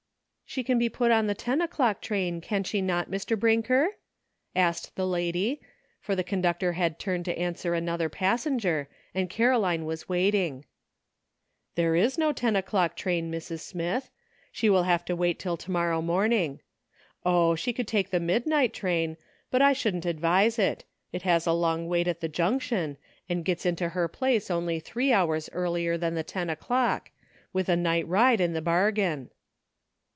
" She can be put on the ten o'clock train, can she not, Mr. Brinker?" asked the lady, for the conductor had turned to answer another passen ger, and Caroline was waiting. "There is no ten o'clock train, Mrs. Smith; she will have to wait till to morrow morning. Oh ! she could take the midnight train, but I shouldn't advise it ; it ha^ a long wait at the Junction, and gets into her place only three hours earlier than the ten o'clock, with a night ride in the bargain."